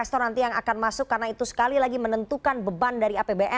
terima kasih sekali lagi van andi